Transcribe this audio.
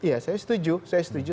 ya saya setuju